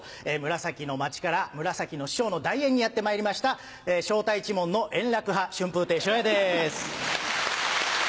紫の街から紫の師匠の代演にやってまいりました昇太一門の円楽派春風亭昇也です。